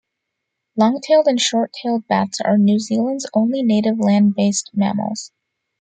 Long-tailed and short-tailed bats are New Zealand's only native land-based mammals.